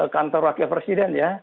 kantor wakil presiden ya